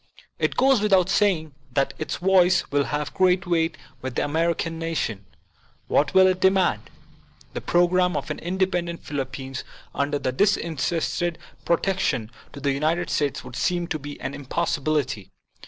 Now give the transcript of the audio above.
It goes without saying that its voice will have great weight with the American nation. What will it demand ? The pro gram of an independent Philippines under the disin terested protection of the United States would seem to be an impossibility.